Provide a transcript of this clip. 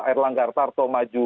erlangga artarto maju